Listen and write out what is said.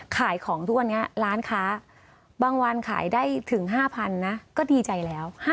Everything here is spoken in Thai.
ขายของทุกวันนี้ร้านค้าบางวันขายได้ถึง๕๐๐นะก็ดีใจแล้ว